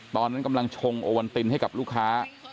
ตอนนั้นกำลังชงโอวันตินให้กับลูกค้า